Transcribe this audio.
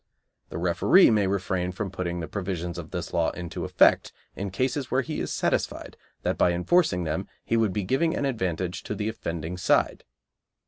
The referee may refrain from putting the provisions of this law into effect in cases where he is satisfied that by enforcing them he would be giving an advantage to the offending side.